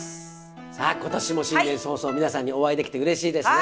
さあ今年も新年早々皆さんにお会いできてうれしいですね。